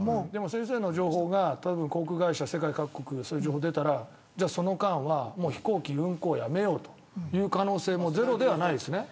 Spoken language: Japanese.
先生の情報が航空会社世界各国、情報が出たらその間は飛行機運航はやめようという可能性もゼロではないですね。